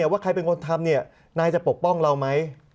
ว่าใครเป็นคนทำนายจะปกป้องเราไหม